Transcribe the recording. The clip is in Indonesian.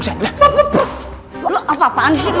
gue takut makan mulut mulu